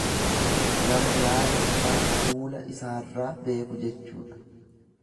Nama yaada isaa fuula isaarraa beeku jechuudha.